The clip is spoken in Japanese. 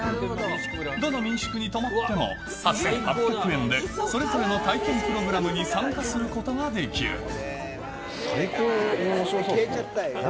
どの民宿に泊まっても３８００円でそれぞれの体験プログラムに参最高におもしろそうですね。